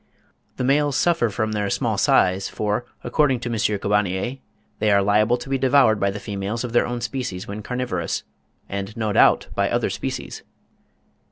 The males suffer from their small size, for according to M. Carbonnier, they are liable to be devoured by the females of their own species when carnivorous, and no doubt by other species.